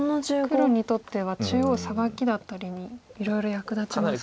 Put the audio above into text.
黒にとっては中央サバキだったりにいろいろ役立ちますか。